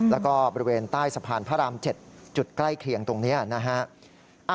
แล้วก็บริเวณใต้สะพานพระราม๗จุดใกล้เคียงตรงนี้นะฮะ